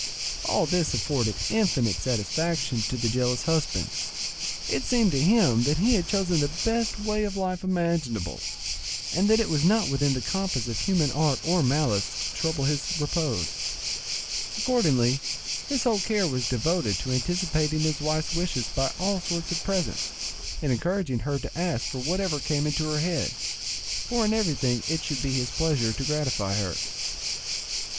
All this afforded infinite satisfaction to the jealous husband; it seemed to him that he had chosen the best way of life imaginable, and that it was not within the compass of human art or malice to trouble his repose: accordingly his whole care was devoted to anticipating his wife's wishes by all sorts of presents, and encouraging her to ask for whatever came into her head, for in everything it should be his pleasure to gratify her.